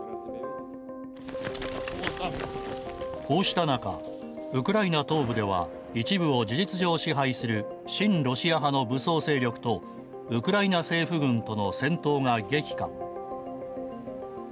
こうした中、ウクライナ東部では一部を事実上支配する親ロシア派の武装勢力とウクライナ政府軍との戦闘が激化。